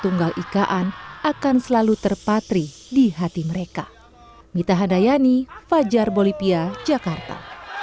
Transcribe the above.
masih hari itu hari itu